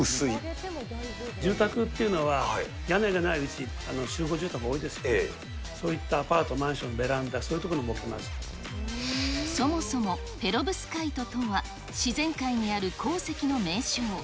住宅というのは、屋根がない集合住宅多いですから、そういったアパート、マンション、ベランダ、そもそも、ペロブスカイトとは自然界にある鉱石の名称。